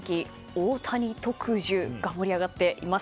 大谷特需が盛り上がっています。